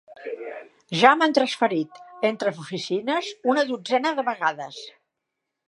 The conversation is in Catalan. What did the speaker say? Ja m'han transferit entre oficines una dotzena de vegades.